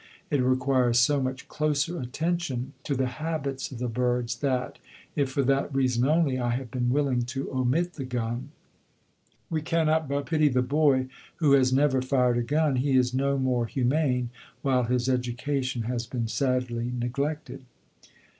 It requires so much closer attention to the habits of the birds that, if for that reason only, I have been willing to omit the gun.... We cannot but pity the boy who has never fired a gun; he is no more humane, while his education has been sadly neglected."